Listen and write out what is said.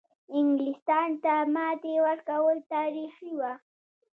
انګلیستان ته ماتې ورکول تاریخي وه.